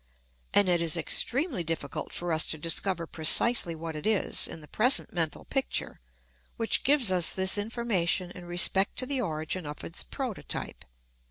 And it is extremely difficult for us to discover precisely what it is, in the present mental picture, which gives us this information in respect to the origin of its prototype.